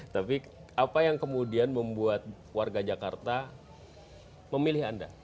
tapi apa yang kemudian membuat warga jakarta memilih anda